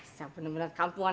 saya bener bener kampungan